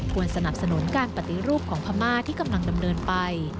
สนับสนุนการปฏิรูปของพม่าที่กำลังดำเนินไป